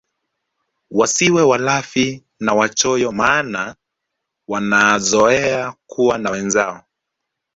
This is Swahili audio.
Wasiwe walafi na wachoyo maana wanazoea kuwa na wenzao